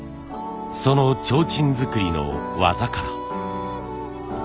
その提灯作りの技から。